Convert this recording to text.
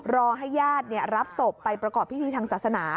รอให้ญาติรับศพไปประกอบพิธีทางศาสนา